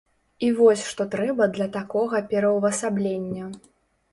І вось што трэба для такога пераўвасаблення.